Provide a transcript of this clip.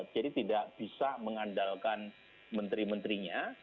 jadi tidak bisa mengandalkan menteri menterinya